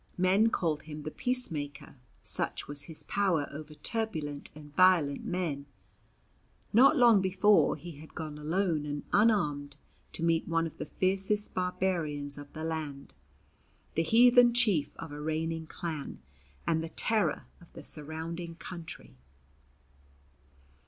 Men called him the "Peacemaker," such was his power over turbulent and violent men. Not long before, he had gone alone and unarmed to meet one of the fiercest barbarians of the land, the heathen chief of a reigning clan, and the terror of the surrounding country.